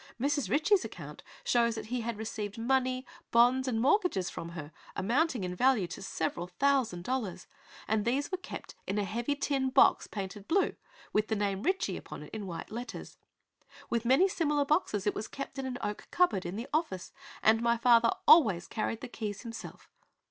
Mrs. Ritchie's account shows he had received money, bonds and mortgages from her, amounting in value to several thousand dollars, and these were kept in a heavy tin box painted blue, with the name 'Ritchie' upon it in white letters. With many similar boxes it was kept in the oak cupboard at the office, and my father always carried the keys himself.